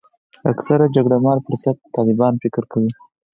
اکثره جګړه مار فرصت طلبان فکر کوي.